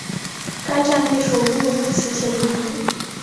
该站隶属乌鲁木齐铁路局。